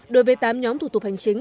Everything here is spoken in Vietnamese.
đối với tám nhóm thủ tục hành chính